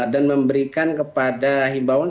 dan memberikan kepada himbauan